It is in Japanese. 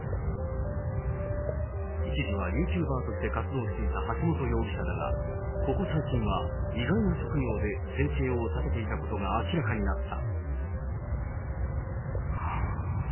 一時はユーチューバーとして活動していた橋本容疑者だが、ここ最近は意外な職業で生計を立てていたことが明らかになった。